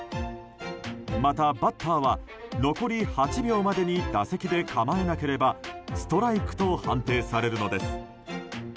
また、バッターは残り８秒までに打席で構えなければストライクと判定されるのです。